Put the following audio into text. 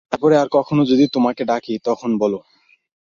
তার পরে আর কখনো যদি তোমাকে ডাকি তখন বোলো।